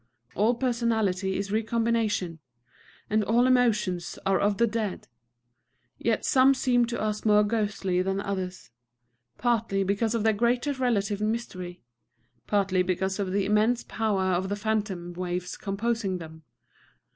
All personality is recombination; and all emotions are of the dead. Yet some seem to us more ghostly than others, partly because of their greater relative mystery, partly because of the immense power of the phantom waves composing them.